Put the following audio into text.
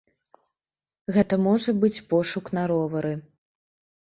Гэта можа быць пошук на ровары.